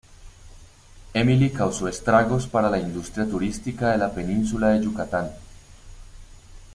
Emily causó estragos para la industria turística de la península de Yucatán.